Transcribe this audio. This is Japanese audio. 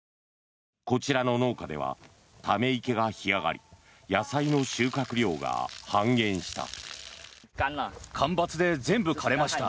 こちらの農家ではため池が干上がり野菜の収穫量が半減した。